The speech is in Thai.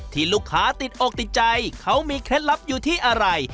ที่ลูกค้าติดอกติดใจเขามีเคล็ดลับอยู่ที่อะไร